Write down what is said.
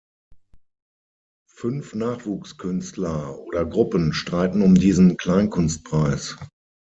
Fünf Nachwuchskünstler oder Gruppen streiten um diesen Kleinkunstpreis.